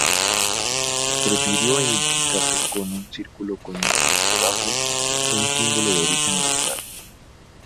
Prefirió identificarse con un círculo con una línea debajo, un símbolo de origen oriental.